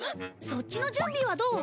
そっちの準備はどう？